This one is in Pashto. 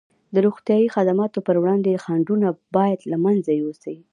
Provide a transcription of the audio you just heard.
د روغتیايي خدماتو پر وړاندې خنډونه باید له منځه یوسي.